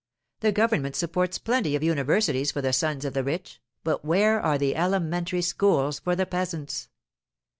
The government supports plenty of universities for the sons of the rich, but where are the elementary schools for the peasants?